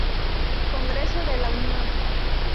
Congreso de la Unión.